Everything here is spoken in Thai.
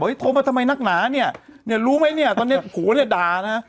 โทรมาทำไมนักหนาเนี่ยเนี่ยรู้ไหมเนี่ยตอนเนี้ยผัวเนี่ยด่านะ